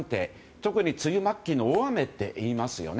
特に梅雨末期の大雨といいますよね。